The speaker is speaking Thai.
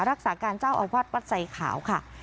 รักษาการเจ้าอาวาสวัดไสขาวค่ะ